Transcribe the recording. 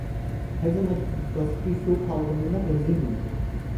Her zamanki gibi basit bir soğukalgınlığına benzemiyordu.